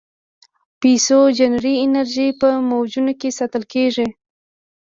پسیوجنري انرژي په موجونو کې ساتل کېږي.